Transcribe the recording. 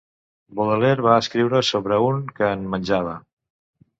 Baudelaire va escriure sobre un que en menjava.